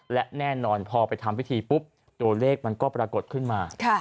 และแน่นอนพอไปทำพิธีปุ๊บตัวเลขมันก็ปรากฏขึ้นมา